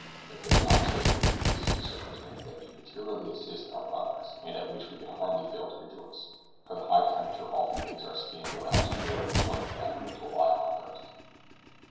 If they are not mistaken, this is a circumstance that may materially assist our progress, and at which we can hardly fail to rejoice, for the high temperature often makes our scanty allowance of water quite inadequate to allay our thirst.